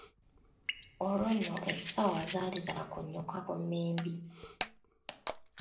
Olwo nno essaawa zaali za kunyuka ku mmimbi.